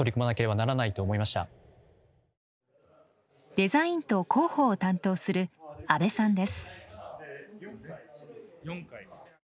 デザインと広報を担当する阿部さんです。